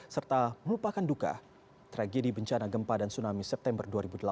serta melupakan duka tragedi bencana gempa dan tsunami september dua ribu delapan belas